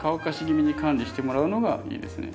気味に管理してもらうのがいいですね。